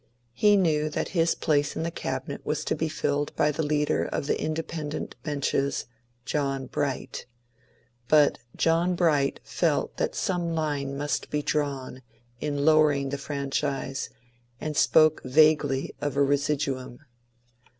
He knew that his place in the Cabinet was to be filled by the leader of the independent benches, — John Bright. But John Bright felt that some line must be drawn in lowering the franchise, and spoke vaguely of a ^^ residuum."